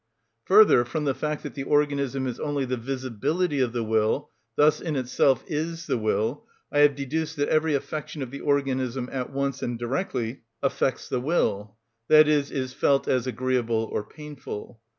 Further, from the fact that the organism is only the visibility of the will, thus in itself is the will, I have deduced that every affection of the organism at once and directly affects the will, i.e., is felt as agreeable or painful.